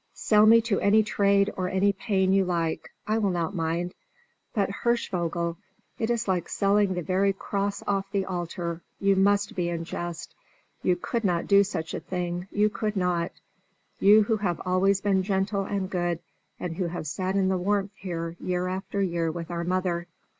Sell me to any trade or any pain you like; I will not mind. But Hirschvogel! it is like selling the very cross off the altar! You must be in jest. You could not do such a thing you could not you who have always been gentle and good, and who have sat in the warmth here year after year with our mother.